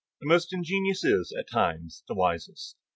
The most ingenious is, at times, the wisest.